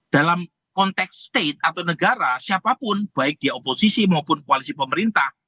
dalam konteks state atau negara siapapun baik di oposisi maupun koalisi pemerintah